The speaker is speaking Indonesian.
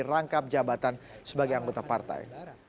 rangkap jabatan sebagai anggota partai